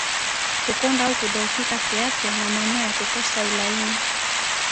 Kukonda au kudhoofika kiafya na manyoya kukosa ulaini